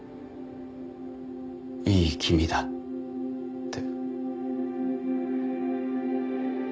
いい気味だって。